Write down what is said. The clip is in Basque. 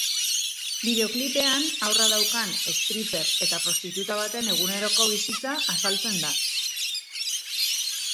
Bideoklipean, haurra daukan streaper eta prostituta baten eguneroko bizitza azaltzen da.